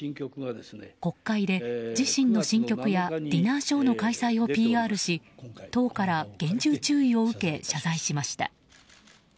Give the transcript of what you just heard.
国会で自身の新曲やディナーショーの開催をＰＲし党から厳重注意を受け謝罪しました。